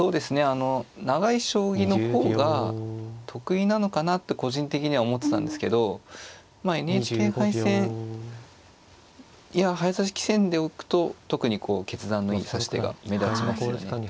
あの長い将棋の方が得意なのかなって個人的には思ってたんですけどＮＨＫ杯戦や早指し棋戦ですと特にこう決断のいい指し手が目立ちますよね。